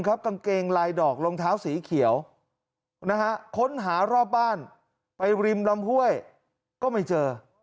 กางเกงลายดอกรองเท้าสีเขียวค้นหารอบบ้านไปริมลำห้วยก็ไม่เจอ